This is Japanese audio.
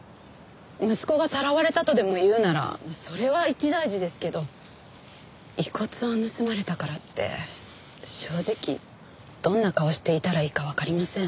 息子がさらわれたとでもいうならそれは一大事ですけど遺骨を盗まれたからって正直どんな顔をしていたらいいかわかりません。